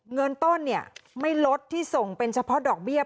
เงินต้นเนี่ยไม่ลดที่ส่งเป็นเฉพาะดอกเบี้ย